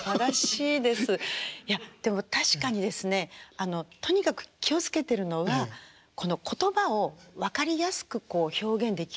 いやでも確かにですねとにかく気を付けてるのはこの言葉を分かりやすく表現できるようにって。